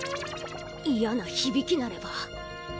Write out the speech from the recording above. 嫌な響きなれば。